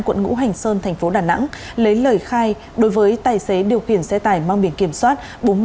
quận ngũ hành sơn thành phố đà nẵng lấy lời khai đối với tài xế điều khiển xe tải mang biển kiểm soát